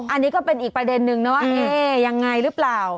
อันนี้ก็เป็นอีกประเด็นนึงนะว่าเอ๊ะยังไงหรือเปล่า